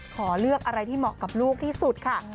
ขอเลือกอะไรที่เหมาะกับลูกที่สุดค่ะ